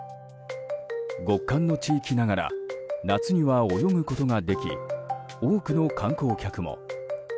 極寒の地域ながら夏には泳ぐことができ多くの観光客も。